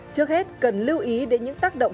trước hết cần lưu ý đến những tác động